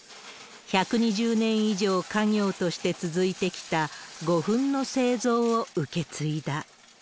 １２０年以上家業として続いてきた胡粉の製造を受け継いだ。